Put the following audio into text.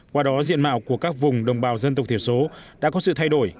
qua đó diện mạo của các vùng đồng bào dân tộc thiểu số đã có sự thay đổi